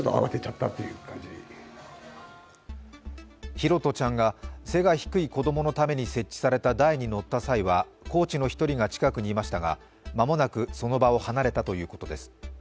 拓杜ちゃんが背が低い子供のために設置された台に乗った際は、コーチの１人が近くにいましたが間もなくその場を離れたということです。